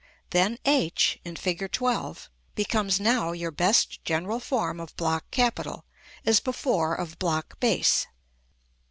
Then h, in Fig. XII., becomes now your best general form of block capital, as before of block base.